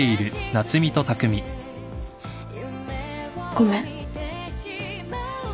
ごめん。